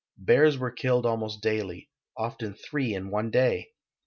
Bears were killed almost daih' — often three in one day.